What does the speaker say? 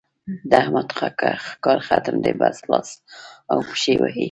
د احمد کار ختم دی؛ بس لاس او پښې وهي.